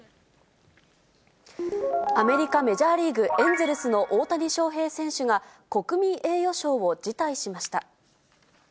アメリカメジャーリーグ・エンゼルスの大谷翔平選手が、国民栄誉賞を辞退しました。